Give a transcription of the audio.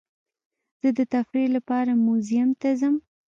زه د تفریح لپاره میوزیم ته ځم.